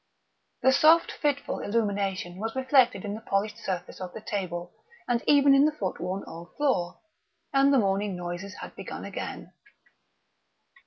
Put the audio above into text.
The soft fitful illumination was reflected in the polished surface of the table and even in the footworn old floor; and the morning noises had begun again.